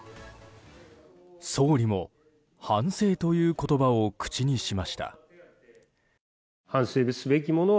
総理も反省という言葉を口にしました。